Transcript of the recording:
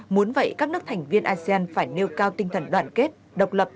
muốn vậy các nước thành viên asean phải nêu cao tinh thần đoàn kết độc lập